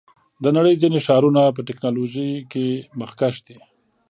د نړۍ ځینې ښارونه په ټیکنالوژۍ کې مخکښ دي.